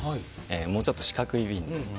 もうちょっと四角い瓶で。